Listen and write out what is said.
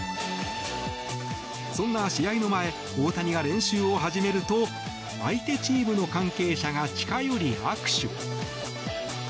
そんな試合の前大谷が練習を始めると相手チームの関係者が近寄り握手。